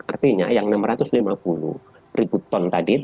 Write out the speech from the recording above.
artinya yang enam ratus lima puluh ribu ton tadi itu